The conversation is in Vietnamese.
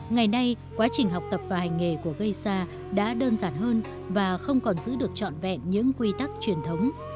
ngày nay quá trình học tập và hành nghề của gây xa đã đơn giản hơn và không còn giữ được trọn vẹn những quy tắc truyền thống